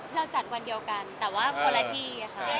เราจัดวันเดียวกันแต่ว่าคนละที่ค่ะ